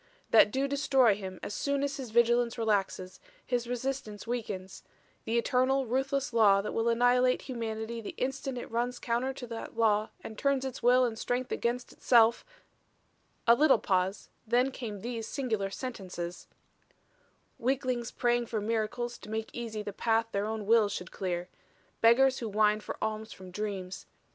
That do destroy him as soon as his vigilance relaxes, his resistance weakens the eternal, ruthless law that will annihilate humanity the instant it runs counter to that law and turns its will and strength against itself " A little pause; then came these singular sentences: "Weaklings praying for miracles to make easy the path their own wills should clear. Beggars who whine for alms from dreams.